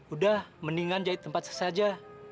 udah mendingan jahit tempat saja